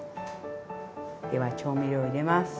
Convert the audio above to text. では調味料入れます。